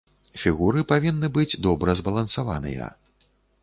Фігуры павінны быць добра збалансаваныя.